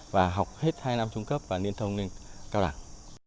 và học hết hai năm trung cấp và liên thông lên cao đẳng